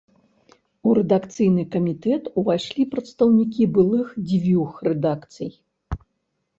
У рэдакцыйны камітэт увайшлі прадстаўнікі былых дзвюх рэдакцый.